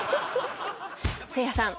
せいやさん。